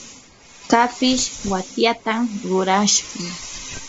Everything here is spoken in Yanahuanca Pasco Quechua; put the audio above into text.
kapish watyatam rurashun.